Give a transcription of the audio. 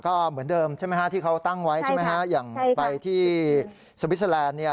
ก็เหมือนเดิมที่เขาตั้งไว้อย่างไปที่สวิสเซอร์แลนด์